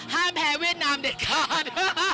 แพ้เวียดนามเด็ดขาด